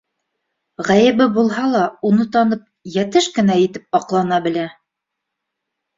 Ғәйебе булһа ла, уны танып, йәтеш кенә итеп аҡлана белә.